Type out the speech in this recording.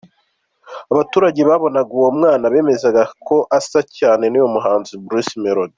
Abaturage babonaga uwo mwana, bemezaga ko asa cyane n'uyu muhanzi Bruce Melodie.